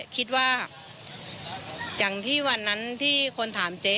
คิดว่าอย่างที่วันนั้นที่คนถามเจ๊